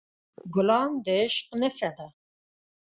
ګلان د عشق نښه ده.